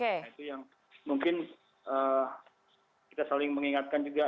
nah itu yang mungkin kita saling mengingatkan juga